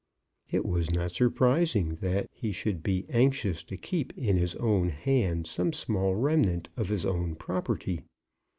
It was not surprising that he should be anxious to keep in his own hand some small remnant of his own property.